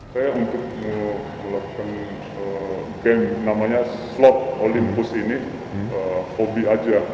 saya untuk melakukan game namanya slot olympus ini hobi aja